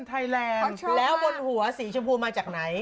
เกินื่นแล้ววนหัวสีชมพูมาจากไหน